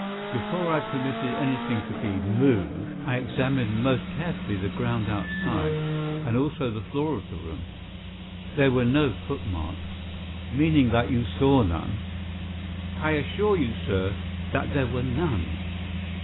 Before I permitted anything to be moved, I examined most carefully the ground outside, and also the floor of the room. There were no footmarks." "Meaning that you saw none?" "I assure you, sir, that there were none."